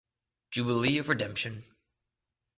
Jubilee of Redemption.